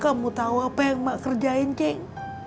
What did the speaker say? kamu tahu apa yang mak kerjain kek